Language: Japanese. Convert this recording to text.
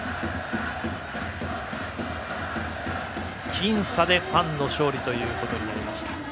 僅差でファンの勝利ということになりました。